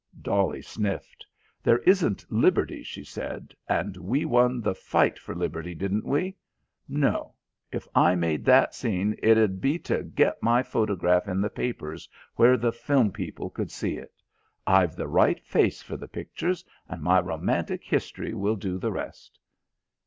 Dolly sniffed. "There isn't liberty," she said. "And we won the fight for liberty, didn't we? No; if I made that scene it 'ud be to get my photograph in the papers where the film people could see it. I've the right face for the pictures, and my romantic history will do the rest."